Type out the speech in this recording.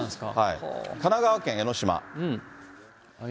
神奈川県江の島。